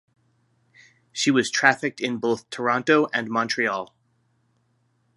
She was trafficked in both Toronto and Montreal.